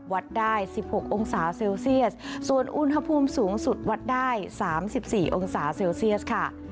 วัดได้๑๖องศาเซลเซียสส่วนอุณหภูมิสูงสุดวัดได้๓๔องศาเซลเซียสค่ะ